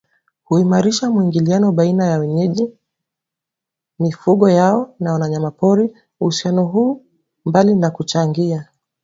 huimarisha mwingiliano baina ya wenyeji mifugo yao na wanyamapori Uhusiano huu mbali na kuchangia